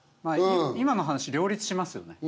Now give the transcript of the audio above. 今の話両立しますよね。